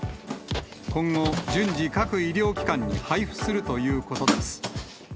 今後、順次各医療機関に配布するということです。